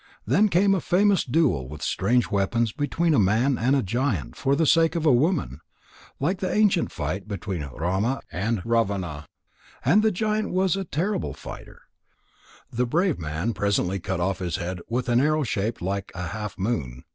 Then came a famous duel with strange weapons between a man and a giant for the sake of a woman, like the ancient fight between Rama and Ravana. Though the giant was a terrible fighter, the brave man presently cut off his head with an arrow shaped like a half moon.